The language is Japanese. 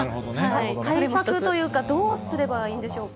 対策というか、どうすればいいんでしょうか。